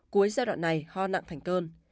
cuối giai đoạn này ho nặng thành cơn